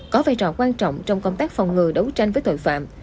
có vai trò quan trọng trong công tác phòng ngừa đấu tranh với tội phạm